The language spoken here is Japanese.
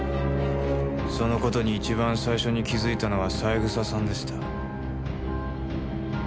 その事に一番最初に気づいたのは三枝さんでした。